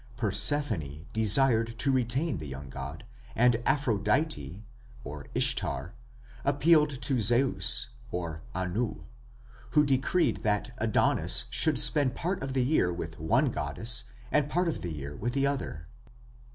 Persephone desired to retain the young god, and Aphrodite (Ishtar) appealed to Zeus (Anu), who decreed that Adonis should spend part of the year with one goddess and part of the year with the other.